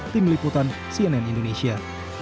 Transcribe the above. tim liputan cnn indonesia